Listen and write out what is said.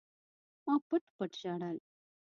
ما پټ پټ ژړل.